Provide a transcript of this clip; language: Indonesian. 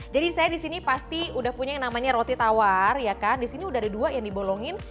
jadi saya disini pasti udah punya namanya roti tawar ya kan di sini udah ada dua yang dibolongin